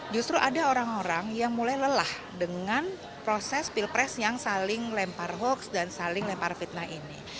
justru ada orang orang yang mulai lelah dengan proses pilpres yang saling lempar hoax dan saling lempar fitnah ini